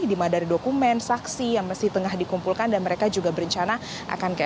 dimana ada dokumen saksi yang masih tengah dikumpulkan dan mereka juga berencana akan ke